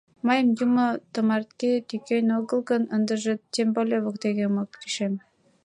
Мыйым юмо тымарте тӱкен огыл гын, ындыже — тем более воктекем ок лишем!